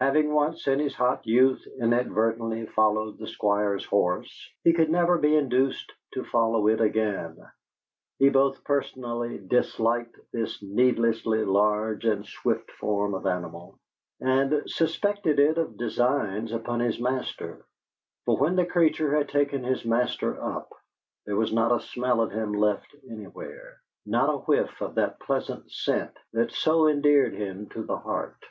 Having once in his hot youth inadvertently followed the Squire's horse, he could never be induced to follow it again. He both personally disliked this needlessly large and swift form of animal, and suspected it of designs upon his master; for when the creature had taken his master up, there was not a smell of him left anywhere not a whiff of that pleasant scent that so endeared him to the heart.